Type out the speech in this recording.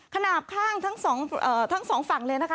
ขนาดข้างทั้งสองเอ่อทั้งสองฝั่งเลยนะคะ